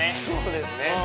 そうですね